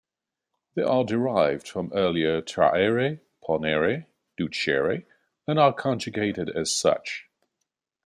They are derived from earlier "trahere, ponere, ducere" and are conjugated as such.